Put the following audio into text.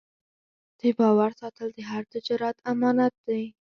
د باور ساتل د هر تجارت امانت دی.